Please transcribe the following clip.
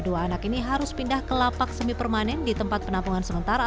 dua anak ini harus pindah ke lapak semi permanen di tempat penampungan sementara